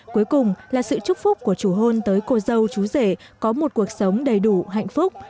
cuối cùng là sự trúc phúc của chú hôn tới cô dâu chú rể có một cuộc sống đầy đủ hạnh phúc